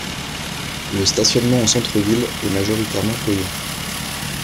Le stationnement en centre-ville est majoritairement payant.